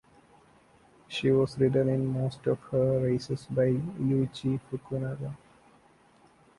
She was ridden in most of her races by Yuichi Fukunaga.